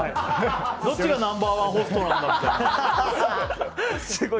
どっちがナンバー１ホストかみたいな。